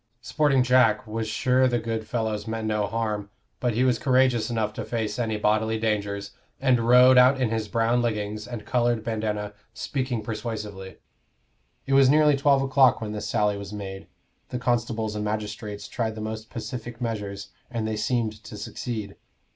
"Sporting Jack" was sure the good fellows meant no harm, but he was courageous enough to face any bodily dangers, and rode out in his brown leggings and colored bandana, speaking persuasively. It was nearly twelve o'clock when this sally was made: the constables and magistrates tried the most pacific measures, and they seemed to succeed.